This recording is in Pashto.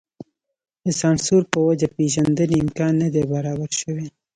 د سانسور په وجه پېژندنې امکان نه دی برابر شوی.